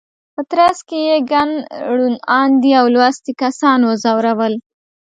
په ترڅ کې یې ګڼ روڼ اندي او لوستي کسان وځورول.